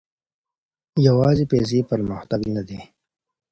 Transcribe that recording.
يوازي پيسې پرمختګ نه دی.